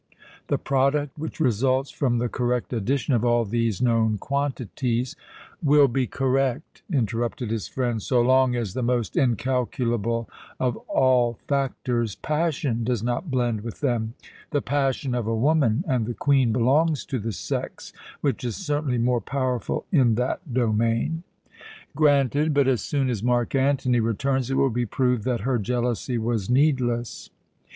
The product which results from the correct addition of all these known quantities " "Will be correct," interrupted his friend, "so long as the most incalculable of all factors, passion, does not blend with them the passion of a woman and the Queen belongs to the sex which is certainly more powerful in that domain." "Granted! But as soon as Mark Antony returns it will be proved that her jealousy was needless."